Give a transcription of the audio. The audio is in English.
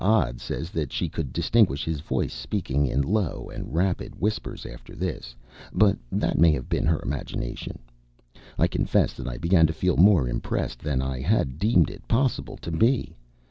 D'Odd says that she could distinguish his voice speaking in low and rapid whispers after this, but that may have been her imagination. I confess that I began to feel more impressed than I had deemed it possible to be.